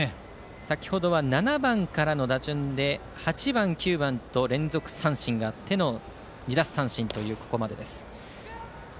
先程７番からの打順で８番、９番と連続三振があって２奪三振のここまでです。